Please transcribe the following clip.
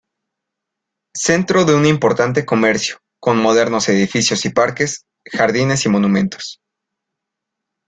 Centro de un importante comercio, con modernos edificios y parques, jardines y monumentos.